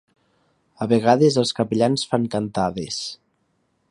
A vegades els capellans fan cantades.